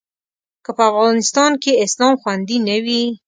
که په افغانستان کې اسلام خوندي نه وي.